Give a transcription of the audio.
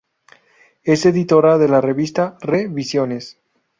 Es editora de la revista "Re-visiones".